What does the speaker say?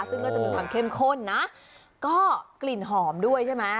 ซึ่งก็จะมีความเข้มข้นนะก็กลิ่นหอมด้วยใช่ไหม